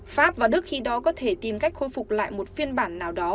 pháp và đức khi đó có thể tìm cách khôi phục lại một phiên bản nào đó